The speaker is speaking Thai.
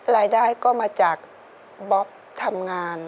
รายได้ก็มาจากบ๊อบทำงาน